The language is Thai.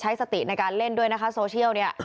สติในการเล่นด้วยนะคะโซเชียลเนี่ย